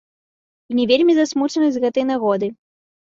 І не вельмі засмучаны з гэтай нагоды.